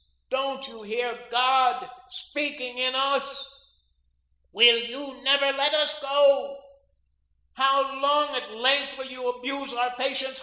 Don't you hear God speaking in us? Will you never let us go? How long at length will you abuse our patience?